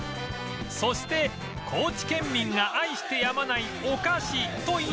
そして高知県民が愛してやまないお菓子といえば